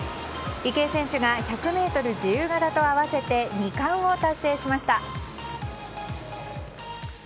池江選手が１００ｍ自由形と合わせて２冠を達成しました。